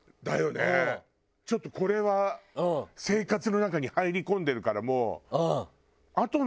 ちょっとこれは生活の中に入り込んでるからもうあとのは。